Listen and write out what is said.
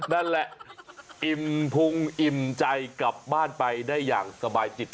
นั่นแหละอิ่มพุงอิ่มใจกลับบ้านไปได้อย่างสบายจิต